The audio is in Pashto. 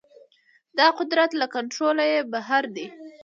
دا قدرت له کنټروله يې بهر دی.